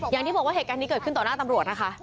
อย่างที่บอกว่าเหตุการณ์นี้เกิดขึ้นต่อหน้าตำรวจนะคะ